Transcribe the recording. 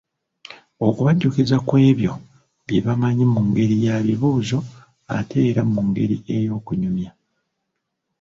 Okubajjukiza ku ebyo bye bamanyi mu ngeri ya bibuuzo ate era mu ngeri ey’okunyumya.